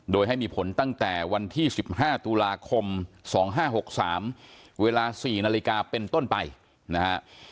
โดยให้มีผลตั้งแต่วันที่๑๕ตุลาคม๒๕๖๓เวลา๔นาฬิกาเป็นต้นไปนะฮะ